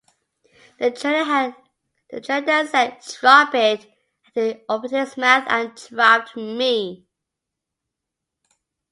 The trainer then said, 'Drop it' and he opened his mouth and dropped me.